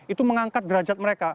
itu mengangkat derajat mereka